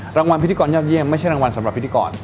รางวัลพิธีกรยอดเยี่ยมไม่ใช่รางวัลสำหรับพิธีกร